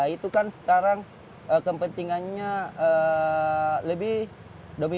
itu kan sekarang kepentingannya lebih dominan ke wisata komersil